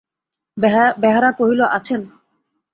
বেহারা কহিল, আছেন।